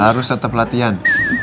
harus tetap latihan